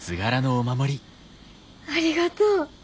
ありがとう。